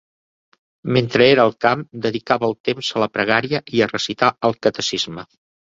Mentre era al camp, dedicava el temps a la pregària i a recitar el catecisme.